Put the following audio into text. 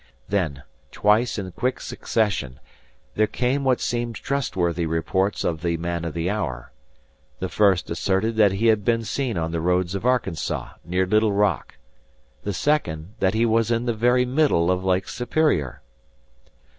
Then, twice in quick succession, there came what seemed trustworthy reports of the "man of the hour." The first asserted that he had been seen on the roads of Arkansas, near Little Rock. The second, that he was in the very middle of Lake Superior.